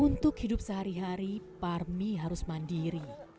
untuk hidup sehari hari parmi harus mandiri